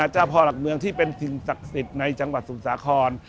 เจ้าพ่อหลักเมืองที่เป็นสิ่งศักดิ์สิทธิ์ในจังหวัดสมุทรสาคร